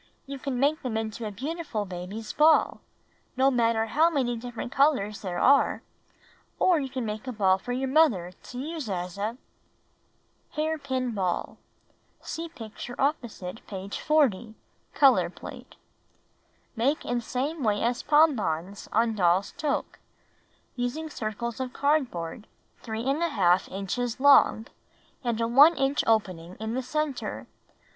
"You can make them into a beautiful baby^s ball — no matter how many different colors there are; or you can make a ball for your mother to use as a — Hair Pin Ball* (See picture opposite page 40 — color plate) Make in same way as pompons on Doll's Toque, using circles of cardboard 3^ inches across, and a 1 inch opening in the center.